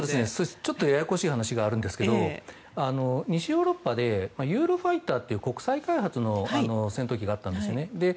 ちょっとややこしい話があるんですけど西ヨーロッパでユーロファイターという国際開発の戦闘機があったんですね。